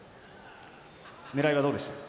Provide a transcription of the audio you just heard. ねらいは、どうでしたか。